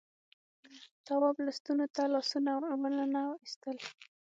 تواب لستونو ته لاسونه وننه ایستل.